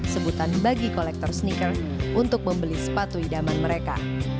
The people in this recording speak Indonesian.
sebutan bagi kolektor sneaker untuk membeli sepatu idaman mereka